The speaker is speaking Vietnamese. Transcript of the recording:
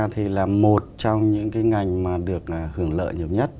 thì là một trong những cái ngành mà được hưởng lợi nhiều nhất